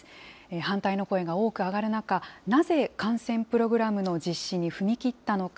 反対の声が多く上がる中、なぜ観戦プログラムの実施に踏み切ったのか。